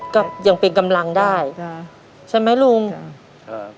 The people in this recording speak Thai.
ก็ยังเป็นกำลังได้ใช่ไหมลุงจ้ะ